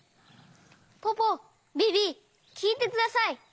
ポポビビきいてください！